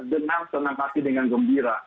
dengan tenang hati dengan gembira